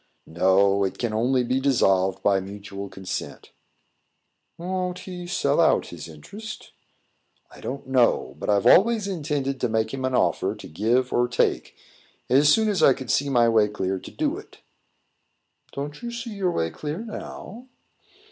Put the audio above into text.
"No. It can only be dissolved by mutual consent." "Won't he sell out his interest?" "I don't know; but I've always intended to make him an offer to give or take, as soon as I could see my way clear to do it." "Don't you see your way clear now?"